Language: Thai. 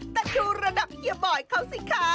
แต่ดูระดับเฮียบอยเขาสิคะ